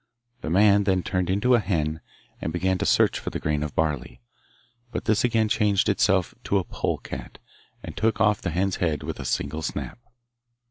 The man then turned into a hen, and began to search for the grain of barley, but this again changed itself to a pole cat, and took off the hen's head with a single snap.